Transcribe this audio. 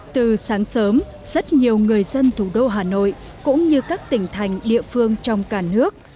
từ sáng sớm rất nhiều người dân thủ đô hà nội cũng như các tỉnh thành địa phương trong cả nước